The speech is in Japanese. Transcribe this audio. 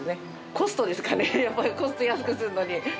コストですかね、やっぱりコスト安くするのに。